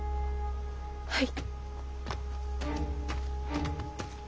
はい。